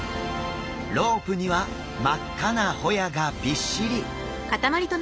ロープには真っ赤なホヤがびっしり！